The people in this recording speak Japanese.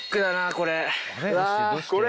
これ。